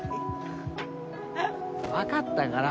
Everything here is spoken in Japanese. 分かったから。